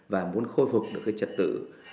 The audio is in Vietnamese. và muốn khôi phục được cái chất tự